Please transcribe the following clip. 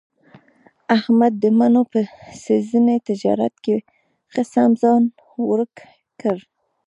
احمد د مڼو په سږني تجارت کې ښه سم ځان ورک کړ.